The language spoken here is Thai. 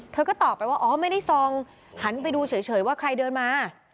ก็ตอบไปว่าอ๋อไม่ได้ซองหันไปดูเฉยว่าใครเดินมา